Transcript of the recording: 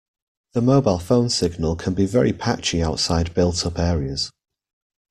The mobile phone signal can be very patchy outside built-up areas